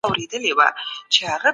ماشومان لومړی کیسه لولي.